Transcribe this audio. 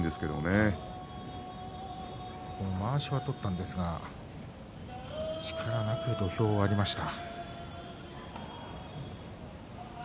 照強は、まわしは取ったんですが力なく土俵を割りました。